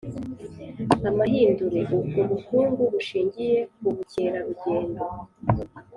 amahindure. Ubwo bukungu bushingiye ku bukerarugendo